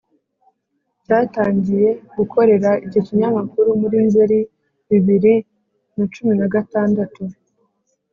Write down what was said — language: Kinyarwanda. Yatangiye gukorera iki kinyamakuru muri Nzeli bibiri na cumin a gatandatu